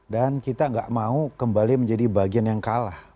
dan kita gak mau kembali menjadi bagian yang kalah